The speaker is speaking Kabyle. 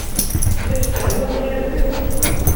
La sserwateɣ irden.